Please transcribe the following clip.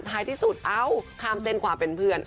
ท้ายที่สุดเอ้าข้ามเส้นความเป็นเพื่อน